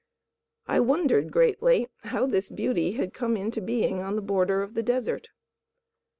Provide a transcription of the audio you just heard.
I wondered greatly how this beauty had come into being on the border of the desert.